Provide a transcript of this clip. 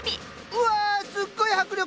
うわすっごい迫力！